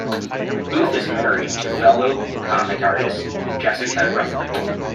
Booth is married to fellow comic artist Jessica Ruffner.